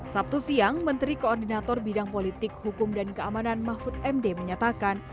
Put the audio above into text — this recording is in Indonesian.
sabtu siang menteri koordinator bidang politik hukum dan keamanan mahfud md menyatakan